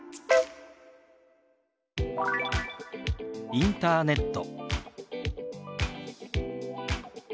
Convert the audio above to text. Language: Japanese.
「インターネット」。